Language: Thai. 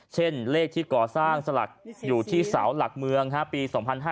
เช่นเลขที่ก่อสร้างสลักอยู่ที่เสาหลักเมืองปี๒๕๕๙